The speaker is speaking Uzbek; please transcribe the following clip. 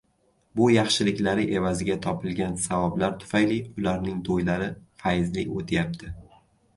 bu yaxshiliklari evaziga topilgan savoblar tufayli ularning to‘ylari fayzli o‘tyapti